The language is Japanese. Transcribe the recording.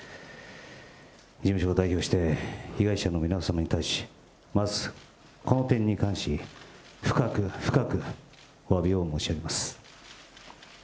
事務所を代表して被害者の皆様に対し、まず、この点に関し、深く深くおわびを申し上げます。